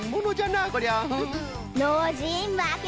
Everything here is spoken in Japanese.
ノージーまけ